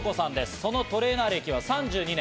そのトレーナー歴は３２年。